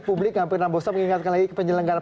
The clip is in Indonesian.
publik nggak pernah bosan mengingatkan lagi penyelenggara